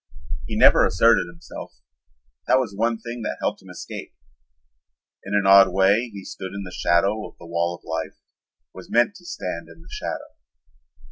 He never asserted himself. That was one thing that helped him escape. In an odd way he stood in the shadow of the wall of life, was meant to stand in the shadow.